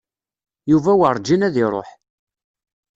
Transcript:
Yuba werǧin ad iṛuḥ.